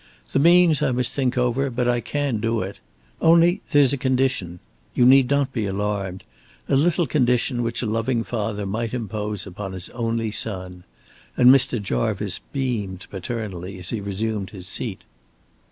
"The means I must think over, but I can do it. Only there's a condition. You need not be alarmed. A little condition which a loving father might impose upon his only son," and Mr. Jarvice beamed paternally as he resumed his seat.